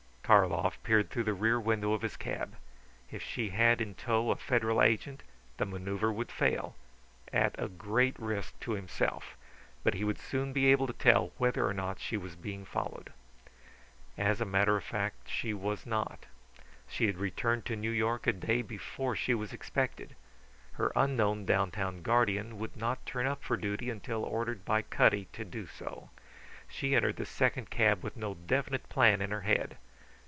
Karlov peered through the rear window of his cab. If she had in tow a Federal agent the manoeuvre would fail, at a great risk to himself. But he would soon be able to tell whether or not she was being followed. As a matter of fact, she was not. She had returned to New York a day before she was expected. Her unknown downtown guardian would not turn up for duty until ordered by Cutty to do so. She entered the second cab with no definite plan in her head.